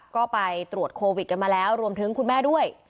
ก็ไปตรวจโควิดกันมาแล้วรวมถึงคุณแม่ด้วย